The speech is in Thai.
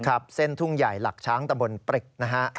ครับเส้นทุ่งใหญ่หลักช้างตะบนปริกนะฮะ